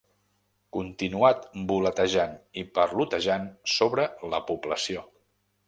Continuat voletejant i parlotejant sobre la població.